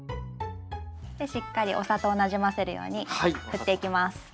でしっかりお砂糖をなじませるように振っていきます。